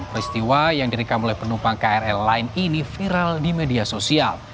peristiwa yang direkam oleh penumpang krl lain ini viral di media sosial